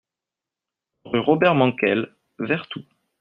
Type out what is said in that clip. Rue Robert Mankel, Vertou